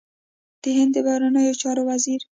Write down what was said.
د هند بهرنیو چارو وزیر